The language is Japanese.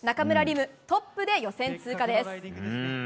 夢、トップで予選通過です。